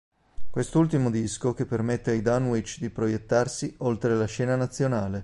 Quest'ultimo disco che permette ai Dunwich di proiettarsi oltre la scena nazionale.